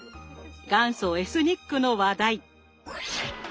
元祖エスニックの話題。